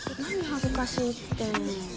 恥ずかしいって。